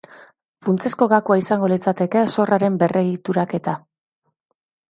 Funtsezko gakoa izango litzateke zorraren berregituraketa.